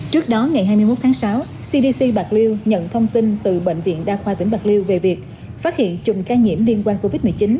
trước đó ngày hai mươi một tháng sáu cdc bạc liêu nhận thông tin từ bệnh viện đa khoa tỉnh bạc liêu về việc phát hiện chùm ca nhiễm liên quan covid một mươi chín